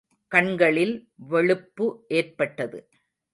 கண்களில் வெளுப்பு ஏற்பட்டது.